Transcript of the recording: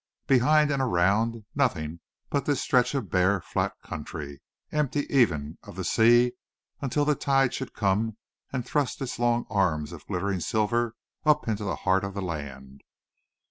Behind and around, nothing but this stretch of bare, flat country, empty even of the sea until the tide should come and thrust its long arms of glittering silver up into the heart of the land.